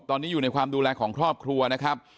ตอนนี้อยู่ในความดูแลของครอบครัวนะครับ